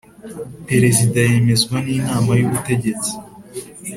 Perezida yemezwa n ‘inama y ‘ubutegetsi.